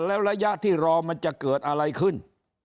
แล้วระยะที่รอมันจะเกิดอะไรขึ้น